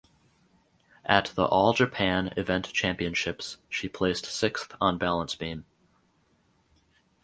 At the All Japan Event Championships she placed sixth on balance beam.